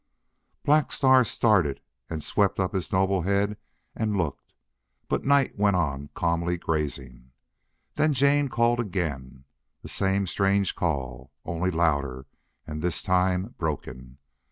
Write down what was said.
Black Star started and swept up his noble head and looked. But Night went on calmly grazing. Then Jane called again the same strange call, only louder, and this time broken.